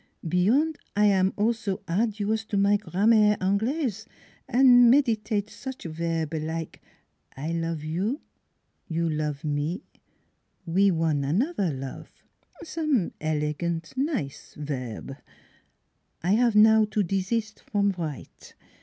Beyond, I am also arduous to my grammaire Anglaise, an' meditate such verbe like I love you you love me we one another love. Some elegant nice verbe. I have now to desist from write.